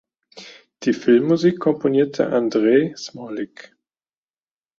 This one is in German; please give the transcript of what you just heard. Die Filmmusik komponierte Andrzej Smolik.